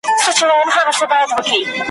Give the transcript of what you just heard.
هغه د شعرونو دوولس مجموعې چاپ کړې `